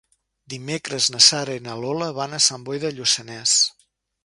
Dimecres na Sara i na Lola van a Sant Boi de Lluçanès.